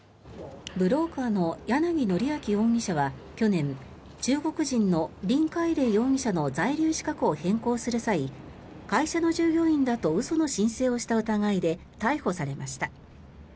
ブローカーの楊徳明容疑者は去年中国人のリン・カイレイ容疑者の在留資格を変更する際会社の従業員だと嘘の申請をした疑いで逮捕されました。